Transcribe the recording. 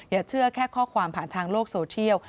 อย่าเชื่อแค่ข้อความผ่านทางโลกโซเทียล